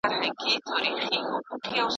تاسي پرون په بازار کي څه وکتی؟